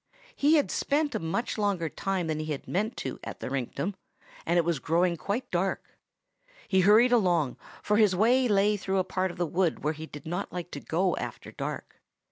He had spent a much longer time than he had meant to at the rinktum, and it was growing quite dark. He hurried along, for his way lay through a part of the wood where he did not like to go after dark.